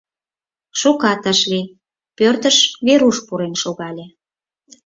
Шукат ыш лий, пӧртыш Веруш пурен шогале.